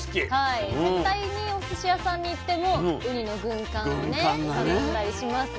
絶対におすし屋さんに行ってもウニの軍艦ね頼んだりしますね。